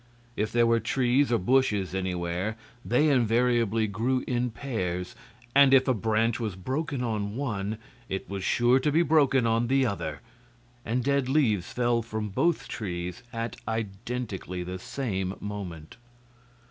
If there were trees or bushes anywhere, they invariably grew in pairs, and if a branch was broken on one it was sure to be broken on the other, and dead leaves fell from both trees at identically the same moment.